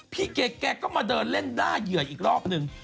พี่เกดแกก็มาเดินเล่นด้าเหยื่ออีกรอบนึง